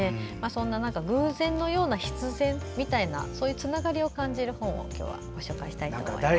そんな偶然のような必然みたいなそういうつながりを感じる本を今日はご紹介したいなと思います。